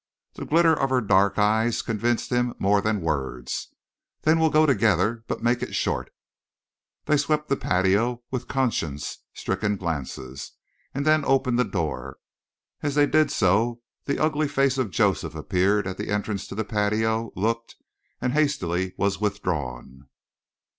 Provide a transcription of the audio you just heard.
The glitter of her dark eyes convinced him more than words. "Then we'll go together. But make it short!" They swept the patio with conscience stricken glances, and then opened the door. As they did so, the ugly face of Joseph appeared at the entrance to the patio, looked and hastily was withdrawn.